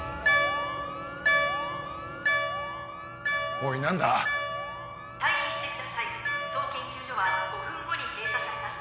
おい何だ⁉退避してください当研究所は５分後に閉鎖されます。